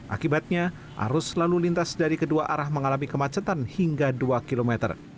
akibatnya arus lalu lintas dari kedua arah mengalami kemacetan hingga dua km